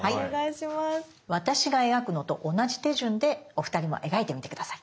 私が描くのと同じ手順でお二人も描いてみて下さい。